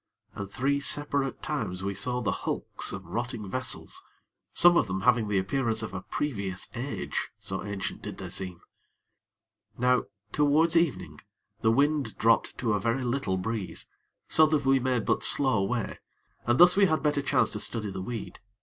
And three separate times we saw the hulks of rotting vessels, some of them having the appearance of a previous age, so ancient did they seem. Now, towards evening, the wind dropped to a very little breeze, so that we made but slow way, and thus we had better chance to study the weed.